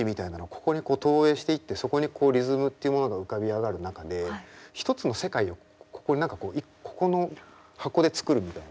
ここに投影していってそこにこうリズムっていうものが浮かび上がる中で一つの世界を何かここの箱で作るみたいな。